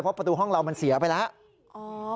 เพราะประตูห้องเรามันเสียไปแล้ว